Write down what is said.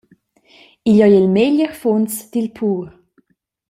Igl ei il meglier funs dil pur.